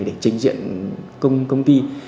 để trình diện công ty